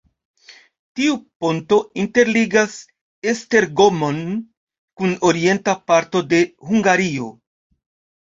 Tiu ponto interligas Esztergom-on kun orienta parto de Hungario.